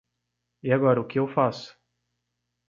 E agora o que eu faço?